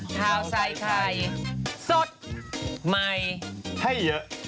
ข่าวใส่ไข่สดใหม่ให้เยอะ